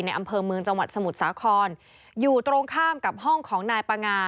อำเภอเมืองจังหวัดสมุทรสาครอยู่ตรงข้ามกับห้องของนายปางา